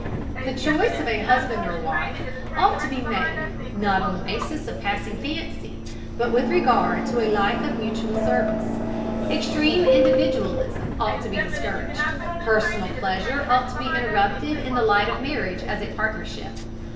The choice of a husband or wife ought to be made, not on the basis of passing fancy, but with regard to a life of mutual service. Extreme individualism ought to be discouraged; personal pleasure ought to be interpreted in the light of marriage as a partnership.